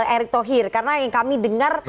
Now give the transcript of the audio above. erick thohir karena yang kami dengar